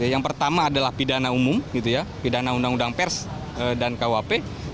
yang pertama adalah pidana umum pidana undang undang pers dan kuap